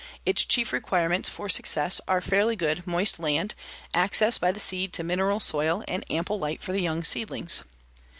Its chief requirements for success are fairly good moist land, access by the seed to mineral soil and ample light for the young seedlings.